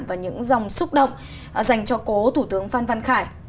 và những dòng xúc động dành cho cố thủ tướng phan văn khải